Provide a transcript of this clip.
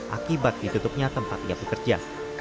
akibat ditutupnya tempat ia bekerja